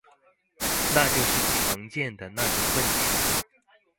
那就是常見的那種問題